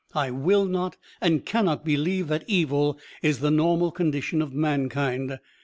I will not and cannot believe that evil is the normal condition of mankind.